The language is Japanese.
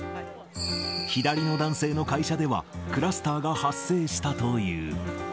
左の男性の会社ではクラスターが発生したという。